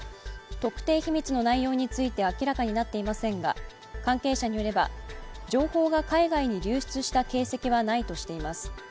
特定秘密の内容について明らかになっていませんが、関係者によれば、情報が海外に流出した形跡はないとしています。